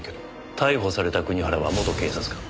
逮捕された国原は元警察官。